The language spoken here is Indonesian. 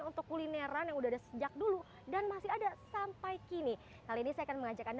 untuk kulineran yang udah ada sejak dulu dan masih ada sampai kini kali ini saya akan mengajak anda